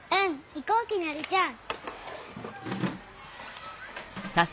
いこうきなりちゃん。